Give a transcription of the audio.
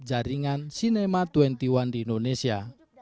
jaringan sinema dua puluh satu di indonesia